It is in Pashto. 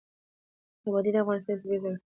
وادي د افغانستان یوه طبیعي ځانګړتیا ده.